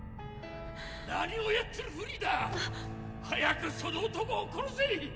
何をやってるフリーダ⁉早くその男を殺せ！！